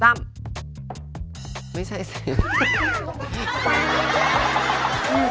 ไม่ใช่เสียง